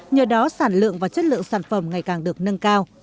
nhờ đó sản lượng và chất lượng sản phẩm ngày càng được nâng cao